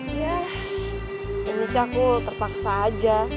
iya ini sih aku terpaksa aja